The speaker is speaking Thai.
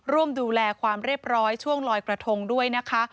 ร่วมดูแลความเรียบร้อยช่วงลอยกระทงด้วยนะคะ